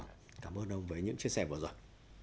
đúng rồi cảm ơn ông với những chia sẻ vừa rồi